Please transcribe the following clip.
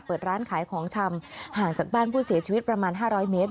เปิดร้านขายของชำห่างจากบ้านผู้เสียชีวิตประมาณ๕๐๐เมตร